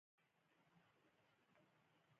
مسيد يا محسود په وزيرستان کې اوسيږي.